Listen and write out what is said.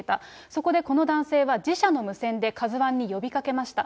そこでこの男性は自社の無線でカズワンに呼びかけました。